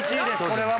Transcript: これは。